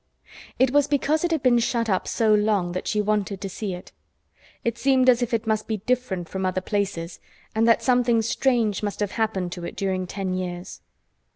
It was because it had been shut up so long that she wanted to see it. It seemed as if it must be different from other places and that something strange must have happened to it during ten years.